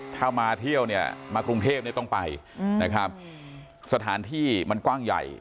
ถ้ามาเที่ยวเนี่ยมากรุงเทพเนี่ยต้องไปนะครับสถานที่มันกว้างใหญ่